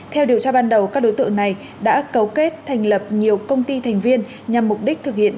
theo điều tra ban đầu các đối tượng này đã cấu kết thành lập nhiều công ty thành viên nhằm mục đích thực hiện